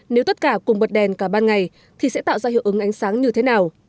nếu tất cả cùng bật đèn cả ban ngày thì sẽ tạo ra hiệu ứng ánh sáng như thế nào